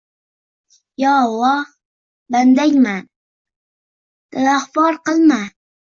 Yo, Alloh, bandangman, dilafgor qilma